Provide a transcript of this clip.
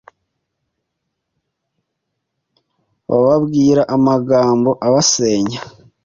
bababwira amagambo abasenya